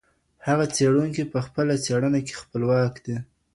هغه څېړونکی په خپله څېړنه کي خپلواک دی.